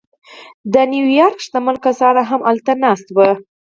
د نیویارک شتمن کسان هم هلته ناست وو